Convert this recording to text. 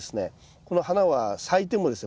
この花は咲いてもですね